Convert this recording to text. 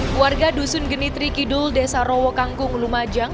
keluarga dusun genitri kidul desa rowo kangkung lumajang